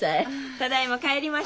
ただいま帰りました。